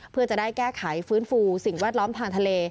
เพื่อจะได้แก้ไขฟื้นฟูสิ่งแวดล้อมทางทะเล